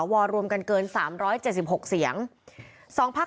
โหวตตามเสียงข้างมาก